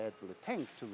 agar bisa menutup